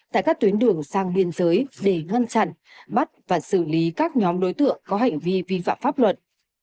tại các tuyến đường sang biên giới để ngăn chặn bắt và xử lý các nhóm đối tượng có hành vi vi phạm pháp luật